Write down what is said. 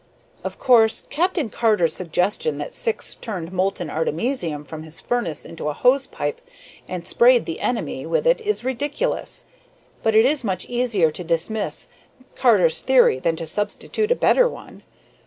"Of course, Captain Carter's suggestion that Syx turned molten artemisium from his furnace into a hose pipe and sprayed the enemy with it is ridiculous. But it is much easier to dismiss Carter's theory than to substitute a better one.